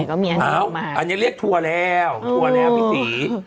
อันนี้เรียกถั่วแล้วถั่วแล้วพิธี